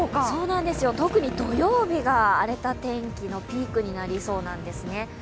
そうなんですよ、特に土曜日が荒れた天気のピークになりそうなんですね。